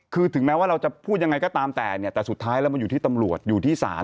คือถึงแม้ว่าเราจะพูดยังไงก็ตามแต่เนี่ยแต่สุดท้ายแล้วมันอยู่ที่ตำรวจอยู่ที่ศาล